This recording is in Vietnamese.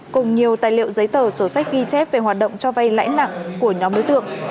cùng nhiều tài liệu giấy tờ sổ sách ghi chép về hoạt động cho vay lãi nặng của nhóm đối tượng